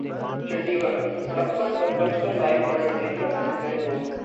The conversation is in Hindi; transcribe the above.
चंडीगढ़ः सड़क पर सरपंच का लाइव मर्डर देखकर सहम गए लोग